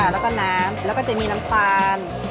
แล้วก็น้ำแล้วก็จะมีน้ำตาล